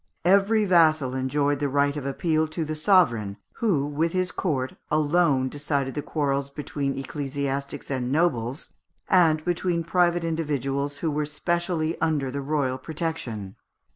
Every vassal enjoyed the right of appeal to the sovereign, who, with his court, alone decided the quarrels between ecclesiastics and nobles, and between private individuals who were specially under the royal protection.